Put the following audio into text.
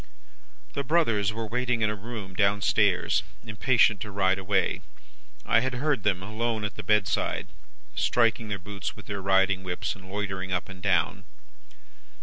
"The brothers were waiting in a room down stairs, impatient to ride away. I had heard them, alone at the bedside, striking their boots with their riding whips, and loitering up and down.